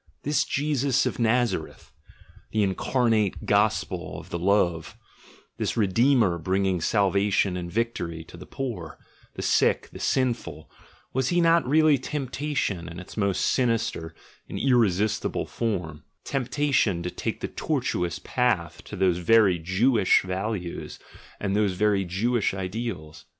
This Jesus of Nazareth, the incarnate gospel of love, this "Redeemer" bringing salvation and victory to the poor, the sick, the sinful— was he not really temptation in its most sinister and irresistible form, temptation to take the tortuous path to those very Jewish values and those very Jewish ideals?